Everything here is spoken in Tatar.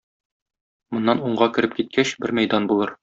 Моннан уңга кереп киткәч, бер мәйдан булыр.